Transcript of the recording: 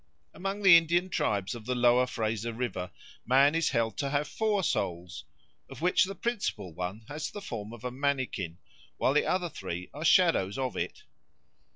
Among the Indian tribes of the Lower Fraser River, man is held to have four souls, of which the principal one has the form of a mannikin, while the other three are shadows of it.